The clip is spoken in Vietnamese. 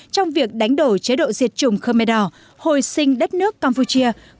trong việc đánh đổ chế độ diệt chủng khmer đỏ hồi sinh đất nước campuchia